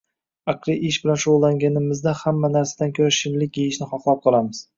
aqliy ish bilan shug‘ullanganimizda hamma narsadan ko‘ra shirinlik yeyishni xohlab qolamiz.